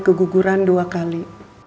keguguran dua kali